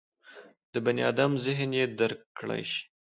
د بني ادم ذهن یې درک کړای شي.